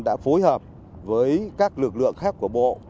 đã phối hợp với các lực lượng khác của bộ